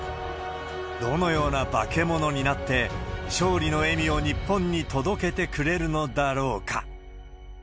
どのような化け物になって、勝利の笑みを日本に届けてくれるのだろうか。